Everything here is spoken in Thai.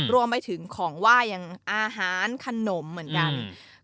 รวมไปถึงของไหว้อย่างอาหารขนมเหมือนกัน